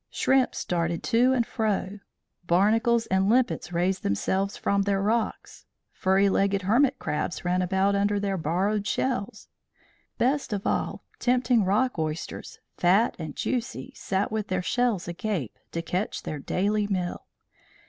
Shrimps darted to and fro, barnacles and limpets raised themselves from their rocks, furry legged hermit crabs ran about under their borrowed shells. Best of all, tempting rock oysters, fat and juicy, sat with their shells agape, to catch their daily meal.